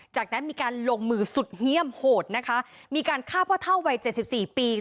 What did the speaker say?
จากนั้นมีการลงมือสุดเยี่ยมโหดนะคะมีการฆ่าพ่อเท่าวัยเจ็ดสิบสี่ปี